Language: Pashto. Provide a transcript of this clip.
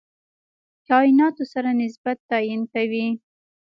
کایناتو سره نسبت تعیین کوي.